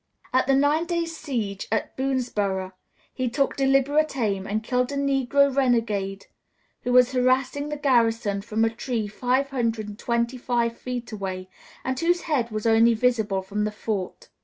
At the nine days' siege of Boonesboro' he took deliberate aim and killed a negro renegade who was harassing the garrison from a tree five hundred and twenty five feet away, and whose head only was visible from the fort.